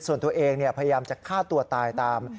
ส่วนตัวเองพยายามจะฆ่าตัวตายตาม